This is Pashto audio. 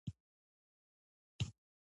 امریکا ډېر خوځښت لري سره له دې چې نابرابره ده.